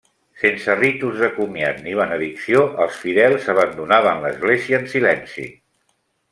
Sense ritus de comiat ni benedicció els fidels abandonaven l'església en silenci.